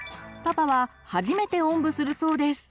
パパは初めておんぶするそうです。